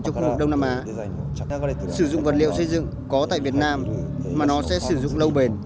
cho khu vực đông nam á sử dụng vật liệu xây dựng có tại việt nam mà nó sẽ sử dụng lâu bền